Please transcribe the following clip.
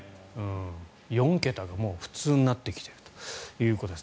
４桁がもう普通になってきているということです。